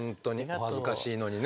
お恥ずかしいのにね。